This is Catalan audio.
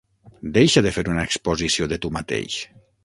Deixa de fer una exposició de tu mateix!